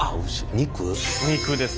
肉ですね。